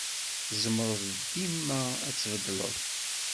Tzemreḍ dima ad tbeddeleḍ.